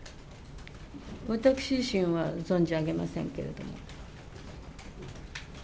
私自身は存じ上げませんけれども。